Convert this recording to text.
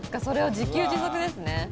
それを自給自足ですね。